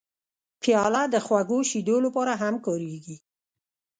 پیاله د خوږو شیدو لپاره هم کارېږي.